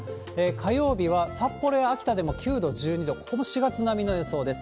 火曜日は札幌や秋田でも９度、１２度、ここも４月並みの予想です。